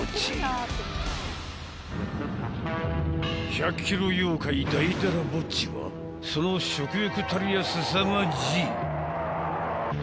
［１００ｋｍ妖怪だいだらぼっちはその食欲たるやすさまじい］